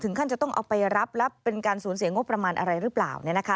ถึงขั้นจะต้องเอาไปรับแล้วเป็นการสูญเสียงบประมาณอะไรหรือเปล่าเนี่ยนะคะ